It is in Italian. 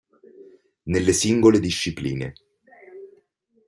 Nelle singole discipline.